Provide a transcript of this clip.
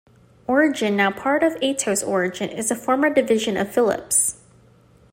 Origin, now part of Atos Origin, is a former division of Philips.